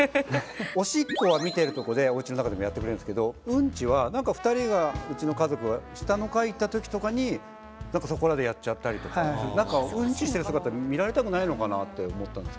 おしっこは見てるとこでおうちの中でもやってくれるんですけどうんちは何か２人がうちの家族が下の階行った時とかに何かそこらでやっちゃったりとか何かうんちしてる姿見られたくないのかなって思ったんですけど。